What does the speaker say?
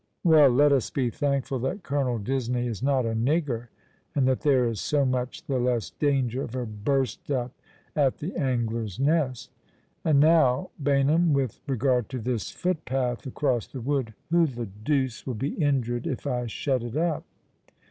" Well, let us be thankful that Colonel Disney is not a nigger; and that there is so much the less danger of a burst uj) at the Angler's Nest. And now, Baynham, with regard to this footpath across the wood, who the deuce will be injured if I shut it up